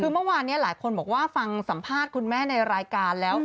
คือเมื่อวานนี้หลายคนบอกว่าฟังสัมภาษณ์คุณแม่ในรายการแล้ว